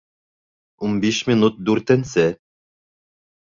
Ун биш минут дүртенсе